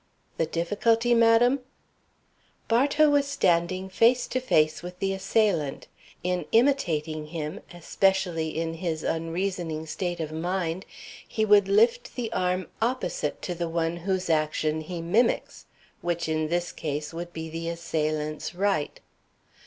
"The difficulty, madam?" "Bartow was standing face to face with the assailant. In imitating him, especially in his unreasoning state of mind, he would lift the arm opposite to the one whose action he mimics, which, in this case, would be the assailant's right.